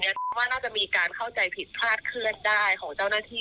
ว่าน่าจะมีการเข้าใจผิดพลาดเคลื่อนได้ของเจ้าหน้าที่